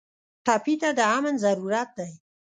ټپي ته د امن ضرورت دی.